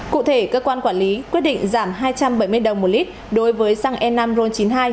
cụ thể cơ quan quản lý quyết định giảm hai trăm bảy mươi đồng một lít đối với xăng e năm ron chín mươi hai